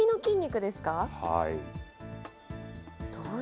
はい。